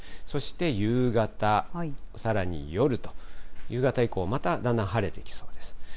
そして夕方、さらに夜と、夕方以降、まただんだん晴れてきそうです。